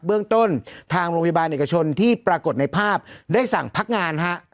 เรื่องต้นทางโรงพยาบาลเอกชนที่ปรากฏในภาพได้สั่งพักงานฮะ